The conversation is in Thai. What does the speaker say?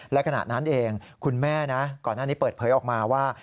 และขณะนั้นเองคุณแม่นะก่อนหน้านี้เปิดเผยออกมาว่า